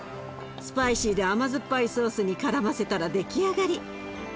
スパイシーで甘酸っぱいソースにからませたら出来上がり。